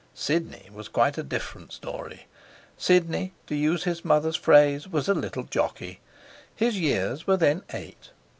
Sidney was quite a different story. Sidney, to use his mother's phrase, was a little jockey. His years were then eight.